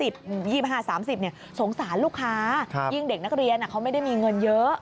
สงสารลูกค้ายิ่งเด็กนักเรียนเขาไม่ได้มีเงินเยอะ